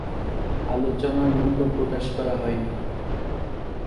আলোচনার মূল্য প্রকাশ করা হয়নি।